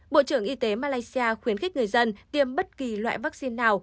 bộ trưởng y tế malaysia khuyến khích người dân tiêm bất kỳ loại vaccine nào